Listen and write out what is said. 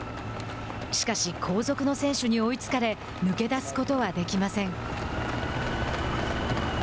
しかし、後続の選手に追いつかれ抜け出すことはできません。